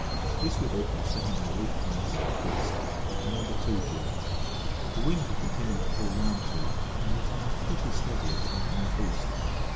This we did by setting our reefed mainsail, foresail, and Number 2 jib. The wind had continued to haul round too, and was now pretty steady at about north east.